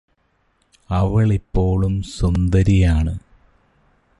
അവളിപ്പോളും സുന്ദരിയാണ്